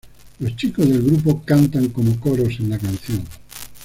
Los chicos del grupo cantan como coros en la canción.